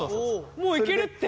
もういけるって。